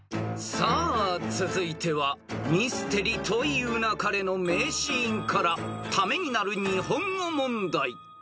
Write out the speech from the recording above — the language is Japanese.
［さあ続いては『ミステリと言う勿れ』の名シーンからためになる日本語問題］